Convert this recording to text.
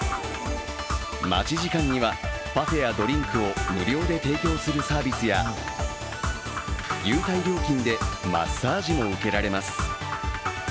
待ち時間にはパフェやドリンクを無料で提供するサービスや、優待料金でマッサージも受けられます。